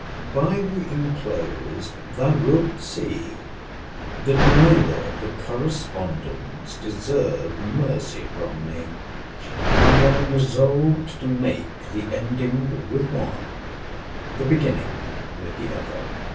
By the enclosed thou wilt see, that neither of the correspondents deserve mercy from me: and I am resolved to make the ending with one the beginning with the other.